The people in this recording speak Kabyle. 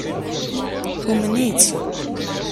Tumen-itt.